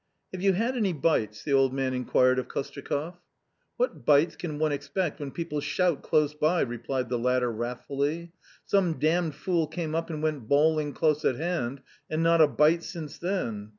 " Have you had any bites ?" the old man inquired of Kostyakoff. "What bites can one expect when people shout close by," replied the latter wrathfully. "Some damned fool came up and went bawling close at hand, and not a bite since then.